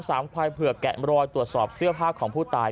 สามควายเผือกแกะมรอยตรวจสอบเสื้อผ้าของผู้ตาย